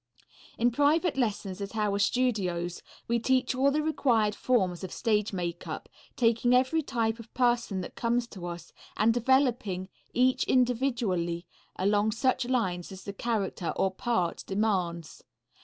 In private lessons at our studios we teach all the required forms of stage makeup, taking every type of person that comes to us and developing each individually along such lines as the character or part demands.